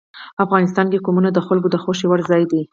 افغانستان کې قومونه د خلکو د خوښې وړ ځای دی.